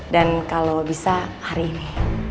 dan kalau bisa hari ini